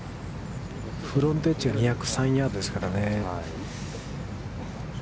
フロントエッジが２０３ヤードですからね。